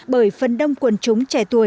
bởi phần đông quân chúng trẻ tuổi